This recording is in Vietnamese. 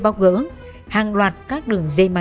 đối tượng sẽ đối tượng với anh ta